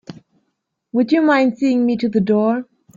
Would you mind seeing me to the door?